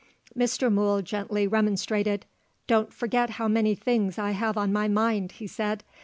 Mr. Mool gently remonstrated. "Don't forget how many things I have on my mind," he said.